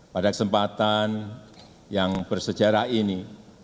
pada kesempatan yang bersejarah ini